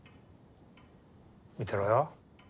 見てろよ。